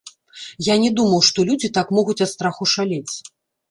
Я не думаў, што людзі так могуць ад страху шалець.